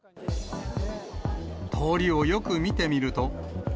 通りをよく見てみると。